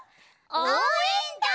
「おうえんだん」！